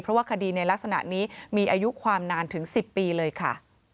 เพราะว่าคดีในลักษณะนี้มีอายุความนานถึง๑๐ปีเลยค่ะ